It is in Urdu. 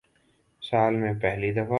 سال میں پہلی دفع